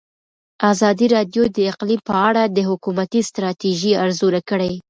ازادي راډیو د اقلیم په اړه د حکومتي ستراتیژۍ ارزونه کړې.